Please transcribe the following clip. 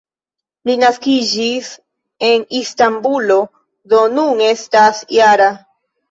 Li naskiĝis en Istanbulo, do nun estas -jara.